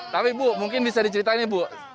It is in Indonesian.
tapi bu mungkin bisa diceritain ya bu